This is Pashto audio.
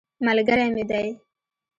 ملګری مې دی.